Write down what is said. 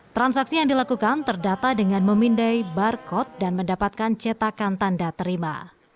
transaksi yang dilakukan terdata dengan memindai barcode dan mendapatkan cetakan tanda terima